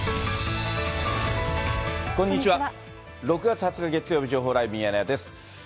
６月２０日月曜日、情報ライブミヤネ屋です。